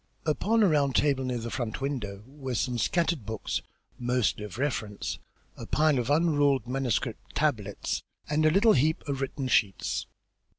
Upon a round table near the front window were some scattered books, mostly of reference, a pile of unruled manuscript tablets, and a little heap of written sheets.